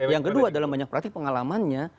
yang kedua dalam banyak praktik pengalamannya